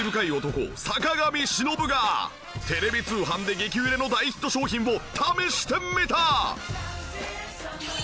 テレビ通販で激売れの大ヒット商品を試してみた！